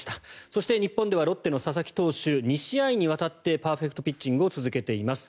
そして日本ではロッテの佐々木投手２試合にわたってパーフェクトピッチングを続けています。